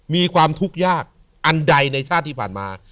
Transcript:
มีความทุกข์ยากอันใดในชาติที่ผ่านมา